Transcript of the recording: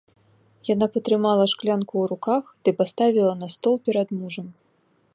Яна патрымала шклянку ў руках ды паставіла на стол перад мужам.